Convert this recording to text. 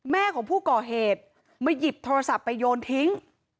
แม่ของผู้ก่อเหตุมาหยิบโทรศัพท์ไปโยนทิ้ง